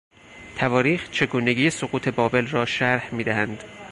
تواریخ چگونگی سقوط بابل را شرح میدهند.